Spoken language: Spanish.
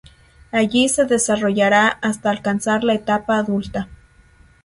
Allí se desarrollará hasta alcanzar la etapa adulta.